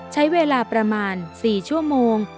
ใช้เวลาประมาณ๔ชั่วโมง